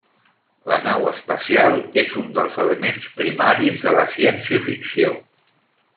La nau espacial és un dels elements primaris de la ciència-ficció.